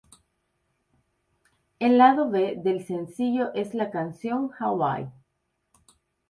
El lado B del sencillo es la canción "Hawaii".